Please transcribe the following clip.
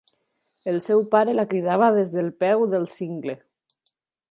El seu pare la cridava des del peu del cingle.